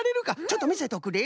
ちょっとみせとくれ。